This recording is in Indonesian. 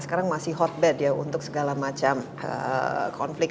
sekarang masih hotbed ya untuk segala macam konflik